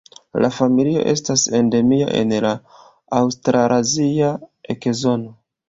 La familio estas endemia en la aŭstralazia ekozono.